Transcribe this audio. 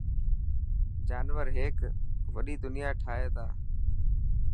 جانور هيڪ وڏي دنيا ٺاهي تا.